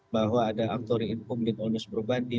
bahwa ada amtori inkum ditonus berbandi